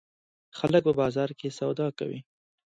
خلک په بازار کې سودا کوي.